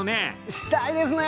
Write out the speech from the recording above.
したいですね。